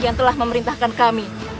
yang memerintahkan kami